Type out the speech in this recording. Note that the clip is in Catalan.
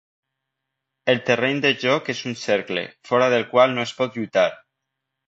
El terreny de joc és un cercle, fora del qual no es pot lluitar.